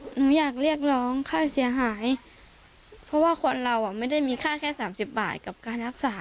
หนูอยากเรียกร้องค่าเสียหายเพราะว่าคนเราอ่ะไม่ได้มีค่าแค่สามสิบบาทกับการรักษา